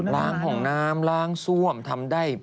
ล้างห้องน้ำล้างซ่วมทำได้